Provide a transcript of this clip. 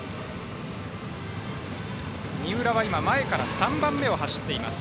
三浦は前から３番目を走っています。